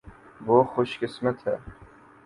وہ خوش قسمت ہیں۔